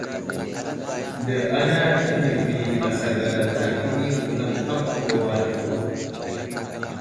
Nde ana nəvi asagala tsa kəni wulam ham agawara vo.